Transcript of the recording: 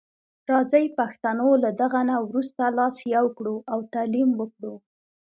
راځي پښتنو له دغه نه وروسته لاس سره یو کړو او تعلیم وکړو.